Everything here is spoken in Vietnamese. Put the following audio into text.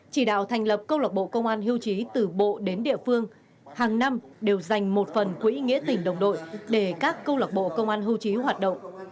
chỉ đạo thành lập câu lạc bộ công an hưu trí từ bộ đến địa phương hàng năm đều dành một phần quỹ nghĩa tỉnh đồng đội để các câu lạc bộ công an hưu trí hoạt động